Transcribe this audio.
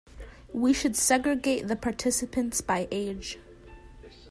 We should segregate the participants by age.